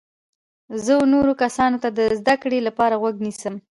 زه و نورو کسانو ته د زده کړي لپاره غوږ نیسم.